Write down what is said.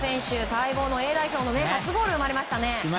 待望のＡ代表の初ゴールが生まれましたね。